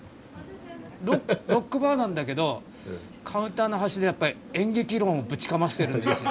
ロックバーなんだけどカウンターの端で演劇論をぶちかましてるんですよ。